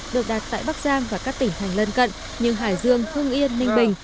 được đặt tại bắc giang và các tỉnh thành lân cận như hải dương hưng yên ninh bình